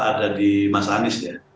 ada di mas anies ya